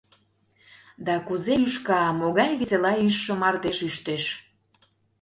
Да, кузе лӱшка, могай весела ӱштшӧ мардеж ӱштеш.